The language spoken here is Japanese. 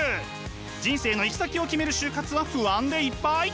人生の行き先を決める就活は不安でいっぱい！